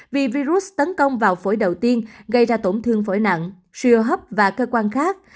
vì virus tấn công vào phổi đầu tiên gây ra tổn thương phổi nặng suy hô hấp và cơ quan khác